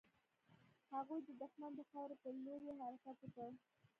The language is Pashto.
هغوی د دښمن د خاورې پر لور يې حرکت وکړ.